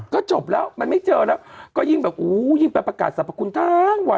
ก็จบแล้วมันไม่เจอแล้ว